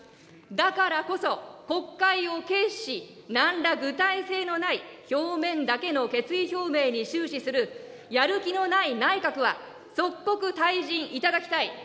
だからこそ、国会を軽視し、なんら具体性のない表面だけの決意表明に終始する、やる気のない内閣は、即刻退陣いただきたい。